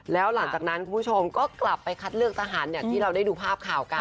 แล้วหลังจากนั้นคุณผู้ชมก็กลับไปคัดเลือกทหารอย่างที่เราได้ดูภาพข่าวกัน